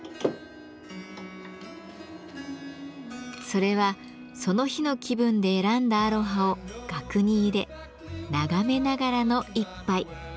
それはその日の気分で選んだアロハを額に入れ眺めながらの一杯。